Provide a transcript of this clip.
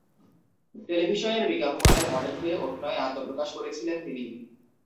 টেলিভিশনের বিজ্ঞাপনের মডেল হয়ে অভিনয়ে আত্মপ্রকাশ করেছিলেন তিনি।